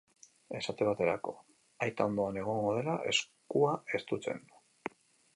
Esate baterako, aita ondoan egongo dela eskua estutzen.